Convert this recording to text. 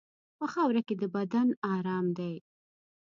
په خاوره کې د بدن ارام دی.